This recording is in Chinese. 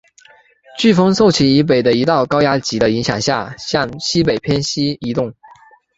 飓风受其以北的一道高压脊的影响下向西北偏西移动。